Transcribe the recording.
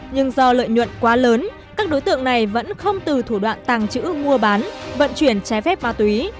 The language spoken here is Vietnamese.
nhưng do lợi nhuận quá lớn các đối tượng này vẫn không từ thủ đoạn tàng trữ mua bán vận chuyển trái phép ma túy